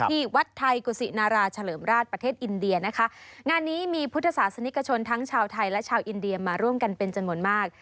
ที่วัดไทยกุศินาราเฉลิมราชประเทศอินเดียนะคะงานนี้มีพุทธศาสนิกชนทั้งชาวไทยและชาวอินเดียมาร่วมกันเป็นจำนวนมาก